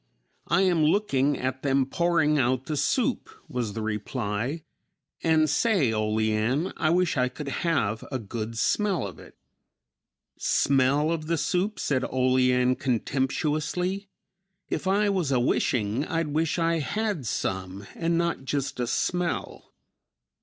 "I am looking at them pouring out the soup," was the reply, "and say, Olean, I wish I could have a good smell of it." "Smell of the soup," said Olean contemptuously; "if I was a wishing I'd wish I had some and not just a smell."